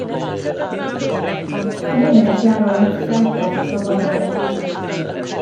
Mae hyn yn gallu arwain at iselder a phroblemau anadlu